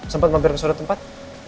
sempat mampir ke suatu tempat